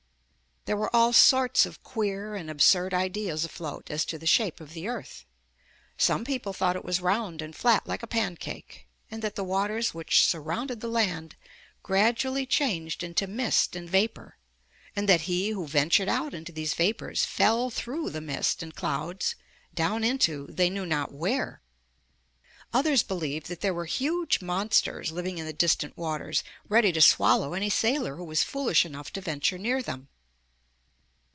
There were all sorts of queer and absurd ideas afloat as to the shape of the earth. Some people thought it was round and flat like a pancake and that the waters which surrounded the land gradually changed into mist and vapor, and that he who ventured out into these vapors fell through the mist and clouds down into — they knew not where. Others believed that there were huge monsters living in the distant waters, ready to swallow any sailor who was foolish enough to venture near them.